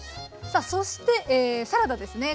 さあそしてサラダですね。